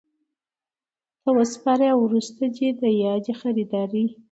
ته وسپاري او وروسته دي د یادي خریدارۍ